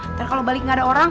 ntar kalo balik gak ada orang